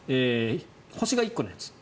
星が１個のやつ。